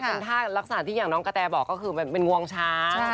เป็นท่ารักษณะที่อย่างน้องกะแตบอกก็คือเป็นงวงช้า